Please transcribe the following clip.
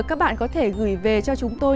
các bạn có thể gửi về cho chúng tôi